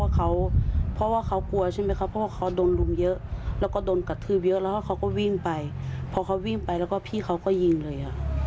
เขาก็วิ่งไปพอเขาวิ่งไปแล้วก็พี่เขาก็ยิงเลย